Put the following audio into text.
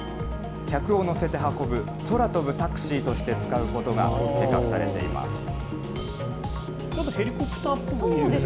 客を乗せて運ぶ、空飛ぶタクシーとして使うことが計画されています。